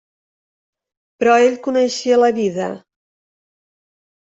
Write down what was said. Però ell coneixia la vida.